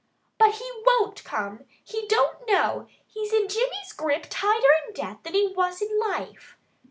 "But he won't come! He don't know! He's in Jimmy's grip tighter in death than he was in life."